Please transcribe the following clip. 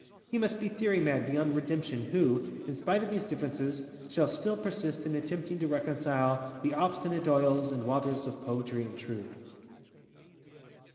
He must be theory mad beyond redemption who, in spite of these differences, shall still persist in attempting to reconcile the obstinate oils and waters of Poetry and Truth.